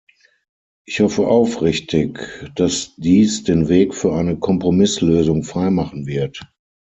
Ich hoffe aufrichtig, dass dies den Weg für eine Kompromisslösung freimachen wird.